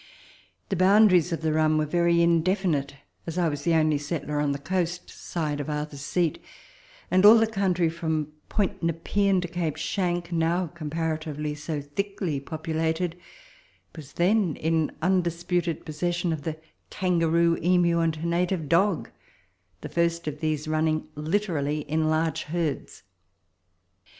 The boundaries of the run were very indefinite, as 1 was the only settler on the coast side of Arthur's Seat, and all the country from Point Nepean to Cape Schanck, now comparatively so thickly populated, was then in undisputed possession of the kangaroo, emu, and native dog, the first of these running literally in large herds.